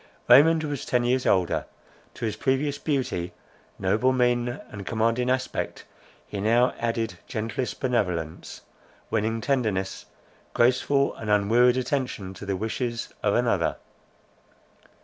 Raymond was ten years older; to his previous beauty, noble mien, and commanding aspect, he now added gentlest benevolence, winning tenderness, graceful and unwearied attention to the wishes of another.